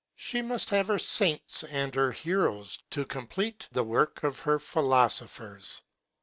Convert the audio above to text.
She must have her saints and her heroes to complete the work of her philosophers.